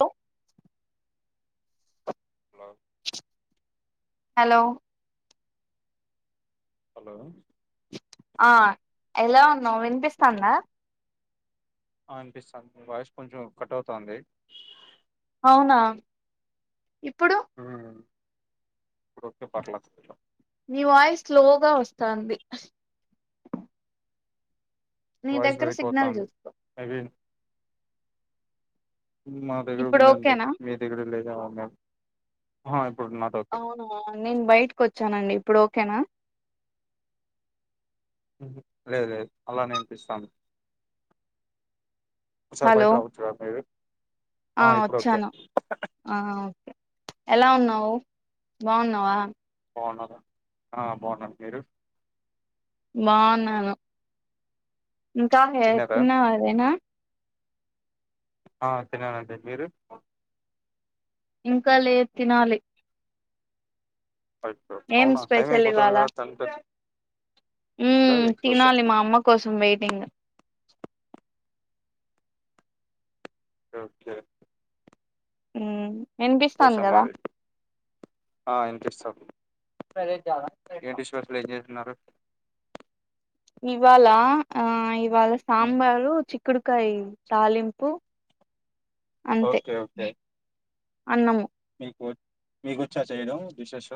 Hello hello hello hello ఆ ఎలా ఉన్నావు వినిపిస్తాందా ఆ అనిపిస్తుంది వాయస్ కొంచెం కట్ అవుతుంది అవునా ఇప్పుడు ఇప్పుడుకే పర్లే చ మీ వాయిస్ స్లోగా వస్తాంది నీ వాయిస్ దగ్గర బ్రేక్ సిగ్నల్ అవుతుంది చూసుకో మేబీ మా దగ్గర ఇప్పుడు ఉందండి ఓకేనా మీ దగ్గర లేదవ మేము అ అవును నేన్ బయట్క చనండి ఇప్పుడు ఓకేనా లేదు లేదు అలా నేర్పిస్తా ఓసారి హలో బయటికి రావచ్చా మే బి ఆ వచ్చాను ఆ ఓకే ఎలా ఉన్నావు బావున్నావా బావున్నారా ఆ బాగున్నా మీరు బావున్నాను ఇంకా హే తిన్నారా తిన్నావా వదిన ఆ తిననండి మీరు ఇంకా లేదు తినాలి అయ్యో, ఏం అవునా టైం స్పెషల్ అయిపోతుంది ఇవ్వాల కదా తండ్రిగా ఎగ్ దోశ తినాలి ఉ మా అమ్మ కోసం వెయిటింగ్ ఓకే ఉమ్ దోస వినిపిస్తాంది కదా మాది వినిపిస్తోంది ఏ విశ్వాసులు ఏం చేస్తున్నారు ఇవాలా ఆ ఇ వాళ్ళ సాంబారు చి చిక్కుడుకాయ్ తాలింపు అంతే ఓకే ఓకే అన్నము మీకుచ్చ చేయడం విశ్వేష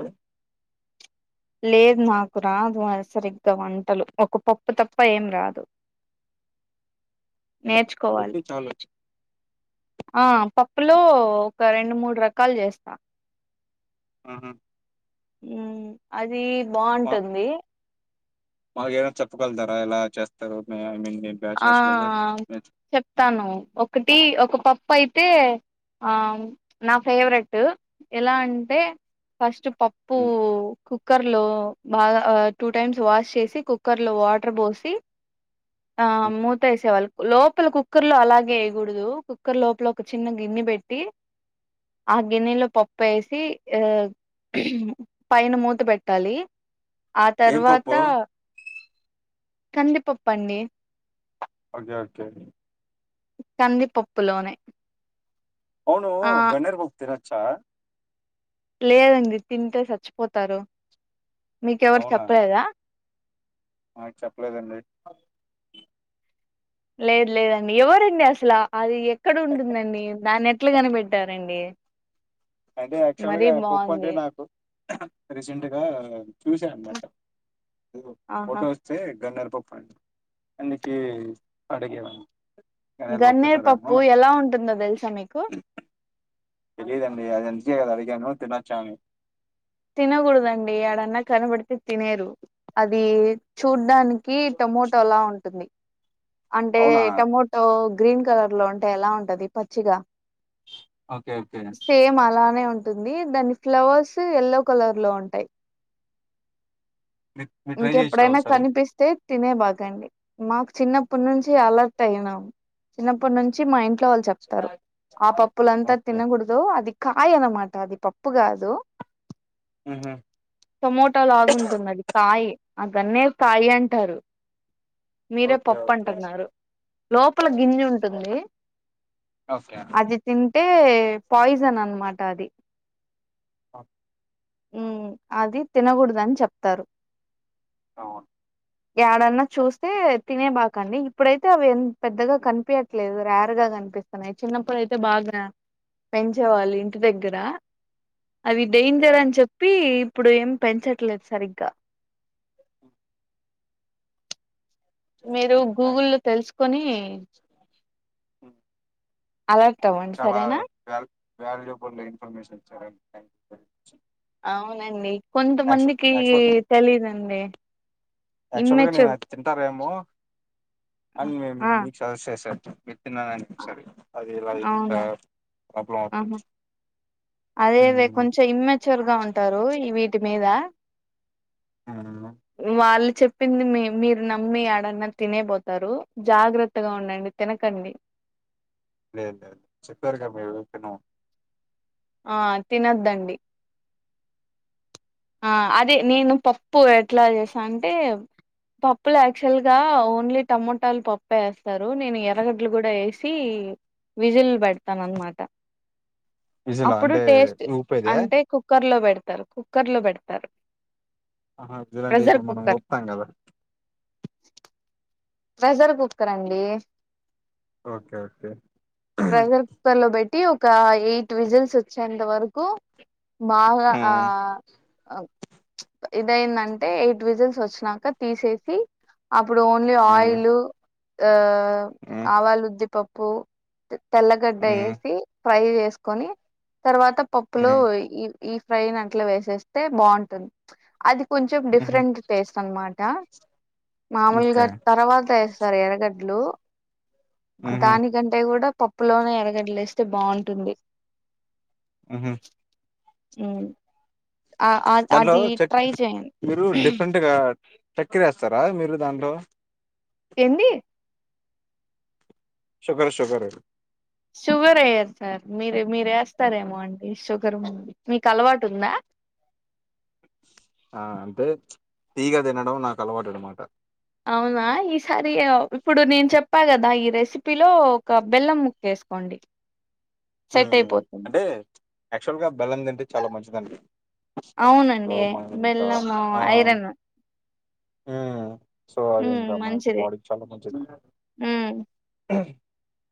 లేదు నాకు రాదు అ సరిగ్గా వంటలు ఒక పప్పు తప్ప ఏం రాదు నేర్చుకోవాలి అందుకే చాలచ్చు ఆ పప్పులో ఒక రెండు మూడు రకాలు చేస్తా ఉహు ఉ అది బాగుంటుంది మాగ ఏమనా చెప్పగలుతారా ఎలా చేస్తారు ఐ మీన్ మీ ఆ బ్యాచలర్స్ కదా చెప్తాను ఒకటి ఒక పప్పు అయితే ఆ నా ఫేవరెట్ ఎలా అంటే ఫస్ట్ పప్పు కుక్కర్ లో బాగా టూ టైమ్ వాష్ చేసి కుక్కర్ లో వాటర్ పోసి ఆ మూత వేసేవాళ్ళు లోపల కుక్కర్ లో అలాగే వేయకూడదు కుక్కర్ లోపల ఒక చిన్న గిన్నె పెట్టి ఆ గిన్నెలో పప్పు వేసి పైన మూత పెట్టాలి ఆ ఏం తర్వాత పప్పు కందిీపప్ప అండి ఓకే ఓకే కందిపప్పులోనే అవును ఆ గన్నేరు పప్పు తినర్ చ లేదండి తింటే చచ్చిపోతారు మీకెవరు చెప్పలేదా నాక్ చెప్పలేదండి లేదు లేదండి ఎవరండి అసలు అది ఎక్కడ ఉంటుందండి దానిక్ ఎట్లా కనిపెట్టారండి అంటే యాక్చువల్ మరీ గా పప్పు అంటే బాగుంది నాకు రీసెంట్గా చూసా అన్నమాట ఆహా ఫోటో వస్తే గన్నర్ పప్పండి అందుక అడిగేవాడి గన్నేరు పప్పు ఎలా ఉంటుందో తెలుసా మీకు తెలిదండి అది అంతకే కదా అడిగాను తినొచ్చా అను తినకూడదండి యాడన్నా కనబడితే తినేరు అది చూడ్డానికి ి టొమోటోలా ఉంటుంది అంటే అవునా టమోటో గ్రీన్ కలర్ లో ఉంటే ఎలా ఉంటది పచ్చిగా ఓకే ఓకే సేమ్ అలానే ఉంది ఉంటుంది దాని ఫ్లవర్స్ ఎల్లో కలర్ లో ఉంటాయి మీరు మీరు ట్రై చేసిరా ఇంకెప్పుడైనా ఒకసారి కనిపిస్తే తినే బాగండి మాకు చిన్నప్పటి నుంచి అలర్ట్ అయినాం చిన్నప్పటి నుంచి మా ఇట్ ఇంట్లో వాళ్ళు చెప్తారు ఆ పప్పులంతా ఓకే తినకూడదు అది కాయ అనమాట అది పప్పు కాదు ఉహు టమోటా లాగుంటుంది అది కాయి ఆ గన్నేరు కాయి అంటారు మీరే ఓకే పప్పు ఓకే అంటున్నారు లోపల గింజ ఉంటుంది ఓకే అది తింటే టె పాయిజన్ అనమాటది ఓకే ఉమ్ అది తినకూడదని చెప్తారు అవును ఎడన్నా చూస్తే తినే బాకండి ఇప్పుడైతే అవి పెద్దగా కనిపయట్లేదు రేర్ గా కనిపిస్తున్నాయి చిన్నప్పుడుయితే బాగా పెంచేవాళ్ళు ఇంటి దగ్గర అవి డేంజర్ అని చెప్పి ఇప్పుడు ఏం పెంచట్లేదు సరిగ్గా మీరు థ్యాంక్స్ గూగుల్లో తెలుసుకొని హ అలర్ట్ అవ్వండి చాలా సరేనా వ వాల్యబుల్ ఇన్ఫర్మేషన్ ఈచరుండి థ్యాంక్ యు అవునండి యాక్చువల్ కొంతమందికి తెలిదండి తొమ్మిది ఎనక్ తింటారేమో అ మే ఆ మీకు సజెస్ట్ చేసాం చెప్ప తన్నద అనిపిస్తుంది అది ఇలా ఇంకా అవునా క్లాత్ అదే అదే కొంచెం ఇమ్మచ్యూర్ గా ఉంటారు ఈ వీటి మీద మ్మ్. వళ్ చెప్పింది మీ మీరు నమ్మి ఆడన్నా తినే పోతారు జాగ్రత్తగా ఉండండి తినకండి లే లే చెప్పారుగా మీరు తినం ఆ తినద్దండి ఆ అదే నేను పప్పు ఎట్లా చేసా అంటే పప్పులో యాక్చువల్గా ఓన్లీ టమోటాలు పప్పుే వేస్తారు నేను ఎరగడ్లు కూడా వేసి విజిలు పెడతాను అనమాట విజిలా అప్పుడు అంటే టేస్ట్ ఊపేదే అంటే కుక్కర్ లో పెడత తరకు క్కర్లో పెడతారు ప్రెషర్ అంటే ఇప్పుడు మనం ఒప్తాం కదా ప్రెజర్ కుక్కర్ అండి ఓకే ఓకే ప్రెషర్ కుక్కర్ లో పెట్టి ఒక ఎయిట్ విజిల్స్ వచ్చేంత వరకు బాగా ఆ ఇదైందంటే ఎయిట్ విజన్స్ వచ్చినాక తీసేసి అప్పుడు ఆ ఆ ఆయిల్ యు ఆ ఆ ఆవాలు ఉద్య పప్ప తెల్లగడ్డ వేసి ఫ్రై చేసుకొని తర్వాత పప్పులో ఆ ఈ ఈ ఫ్రైని అట్లా వేసేస్తే బాగుంటుంది అది కొంచెం ఉహు డిఫరెంట్ టేస్ట్ అనమాట మామూలుగా ఓకే తర్వాత సార్ ఎరగడ్లు ఉహు దానికంటే కూడా పప్పులోనే ఎరగడలేస్తే బాగుంటుంది ఆహా అ దాంట్లో చె మీరు డిఫరెంట్గా చక్క్రియ వేస్తారా మీరు దాంట్లో ఎన్ని సుకర సుకర షుగర్ అయ్యారు సార్ మీరు మీరు వేస్తారేమో అండి షుగర్ ఉంది మీకు అలవాటు ఉందా ఆ అంతే తీగ తినడం నాకు అలవాటు అనమాట అవునా ఈసారి ఇప్పుడు నేను చెప్పా కదా ఈ రెసిపీలో ఒక బెల్లం ముక్కేసుకోండి సెట్ అయిపోతుంది అక్సోల్గా బెల్లందంటే చాలా మంచిదండి సో అవునండి మం ఇంకా బెల్లము ఆ ఐరన్ సో అది ఉమ్ ఇంకా మనకి మంచిది బాడీకి చాలా మంచిది ఉమ్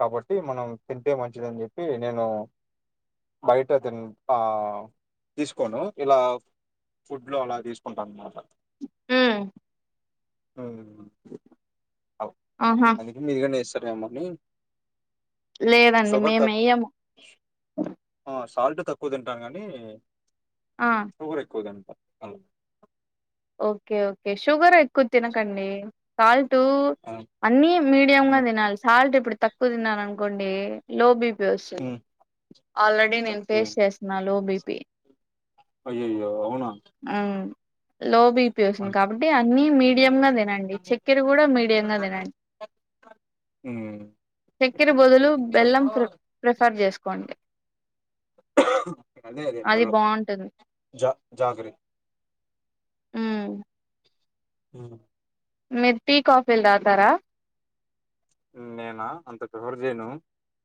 కాబట్టి మనం తింటే మంచిదని చెప్పి నేను బయట తను తీసుకోను ఇలా ఫుడ్లో అలా తీసుకుంటాను అన్నమాట హ ఆ ఆహా అందు మీది క రే అమ్మని లేదండి మేము వెయ్యము ఆ సాల్ట్ తక్కువ తింటాను కాని ఆ ఊర ఎక్కువదంప అవు ఓకే ఓకే షుగర్ ఎక్కువ తినకండి కాల్ట్ ఆ అన్ని మీడియ గా హ్మ్ తినాలి సాల్ట్ ఇప్పుడు తక్కువ తిన్నాను అనుకోండి లో బి వస్తుంది ఆల్రెడీ నేను ఓకే ఫేస్ చేస్తున్నాను లో బీపీ పే అయ్యయ్యో అవునా లో బీపీ వస్తుంది మంచి కాబట్టి అన్నీ మీడియంగా తినండి చెక్కెర కూడా మీడియంగా తినండి హ్మ్ చెక్కెర బదులు బెల్లం ప్రి ప్రిఫర్ చేసుకోండి అదే అదే అది బాగుంటుంది జా జాగ్రీ ఊ మీరు టీ కాఫీలు తాగుతారా నేనా అంత ప్రిఫర్ చేయను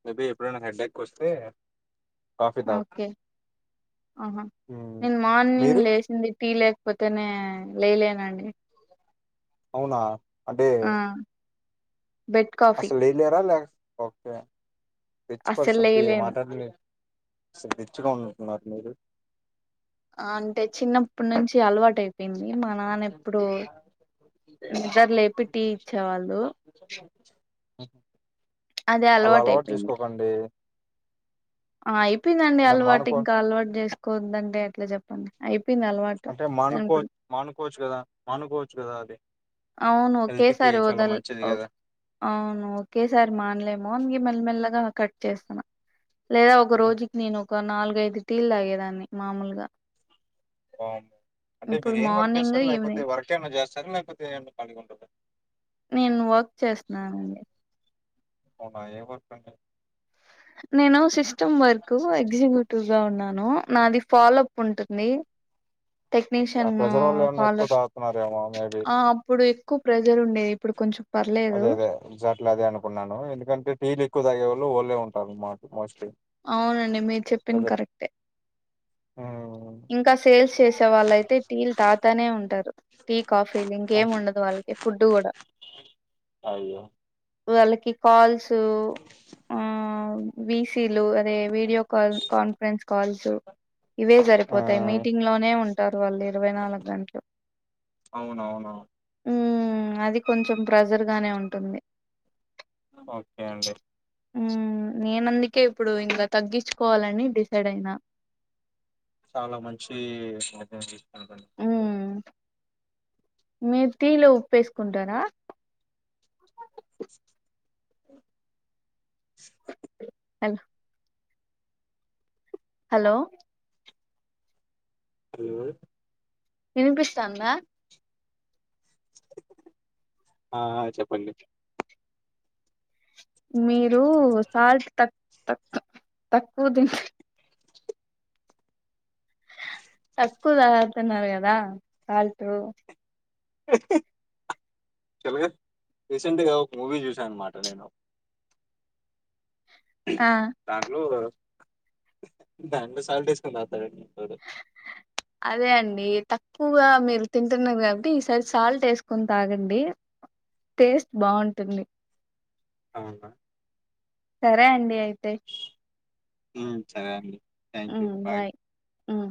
మే బి ఎప్పుడైనా హెడ్డెక్ వస్తే కాఫీ తాగు ఓకే ఆహా మ్మ్ నేను మీరు మార్నింగ్ లేసింది టీ లేకపోతేనే లేలేనండి అవునా అంటే బెడ్ కాఫీ అసలు లేయ లే రా లే ఓకే రిచ్ అస్సలు పర్సన్ కి ఈ లేయలేను మాటలని అసలు రిచ్ గా ఉన్నట్టుగా ఉన్నారు మీరు అంటే చిన్నప్పటి నుంచి అలవాటై పో [unintelligible] ఆ నిద్ర లేపి టీ ఇచ్చేవాళ్ళు అదే అలా అలవాటు అయిపోయింది చేసుకోకండి అయిపోయిందండి దాన్ని అలవాటు మానుకో ఇంకా అలవాటు చేసుకోవద్దంటే అట్లా చెప్పండి అయి అంటే మానుకో మానుకోవచ్చు కదా మానుకోవచ్చు కదా అది అవును ఒకే హెల్త్ కి సారి చాలా వదల్ మంచిది ఓ కదా అవును ఒకే సారి మాన్లేము అని మెల్ మెల్లగా కట్ చేస్తన్నా లేదా ఒక ఉమ్, రోజుకి నేను ఒక నాలుగైదు టీలు తాగేదాన్ని మామూలుగా అంటే ఇప్పుడు మీరు ఏం వర్క్ మార్నింగ్ చేస్తారు ఈవినింగ్ లేకపోతే వర్క్ ఏనా చేస్త చదువు లేకపోతే అంతే ఖాళిగ ఉంటుంది నేను వర్క్ చేస్తున్నానండి అవునా ఏవర్కండి నేను సిస్టమ్ వర్క్ ఎగ్జిక్యూటివ్ గా ఉన్నాను నాది ఫాలో అప్ ఉంటుంది ఆ టెక్నీషియన్ ప్రెజర్ వల్ల ఏమన్నా ఫాలో ఎక్కువ అప్ తాగుతున్నారేమో మేబీ ఆ అప్పుడు ప్ర అదే అదే జట్లా అదే అనుకున్నాను ఎందుకంటే టీలు ఎక్కువ తాగేవా వళ్లే ఉంటారు అన్నమాట అవునండి మీరు చెప్పిిన కరెక్టే ఇంకా సేల్స్ చేసే వాళ్ళుయితే టీల్ తాతానే ఉంటారు క కాఫీలు ఇంకేం ఉండదు వాళ్ళకి ఫుడ్ కూడా వాళ్ళకి కాల్స్ టిక్ ీలు అదే వీడియో కాల్ కాన్ఫరెన్స్ కాల్స్ ఇవే జరి ఆ ంగ్ ఉళ ఇ న గ అవునవును ఉ అది కొంచెం ప్రెజర్గానే ఉంటుంది ఓకే అండి నేన అందుకే ఇప్పుడు ఇంకా తగ్గించు కోవాలని డిసైడ్ అయినా చాలా మంచింది ఉమ్ మీరు తీలో ఉప్పేసుకుంటారా చిక్ అలా హలో అ వినిపిస్తాందా ఆ చెప్పండి మీరు సాల్ట్ తక్ తక్కు తక్కువ దం తక్కువ తాగుతున్నారు కదా సాల్ట్ చలగా రీసెంట్గా ఒక మూవీ చూసాను అనమాట నేను ఆ దాంట్లో దాంట్లో సాల్ట్ వేసుకుని తాగుతారా అదే అండి తక్కు ఎక్కువగా మీరు తింటున్నారు కాబట్టి ఈసారి సాల్ట్ వేసుకొని తాగండి టేస్ట్ బాగుంటుంది అవునుమా సరే అండి అయితే హ సరే అండి థ్యాంక్ యూ బాయ్ ఉమ్